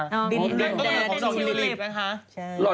นั่นอื่นของกรอกวิวโลลิฟส์นะคะ